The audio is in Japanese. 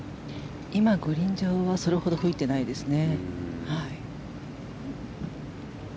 今、グリーン上はそれほど吹いていないですね。